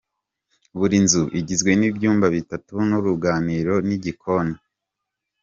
Buri nzu igizwe n’ibyumba bitatu n’uruganiriro n’igikoni.